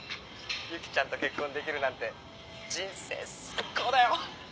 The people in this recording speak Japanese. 結季ちゃんと結婚できるなんて人生最高だよ！